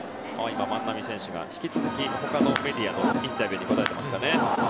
万波選手が引き続き他のメディアのインタビューに答えていましたね。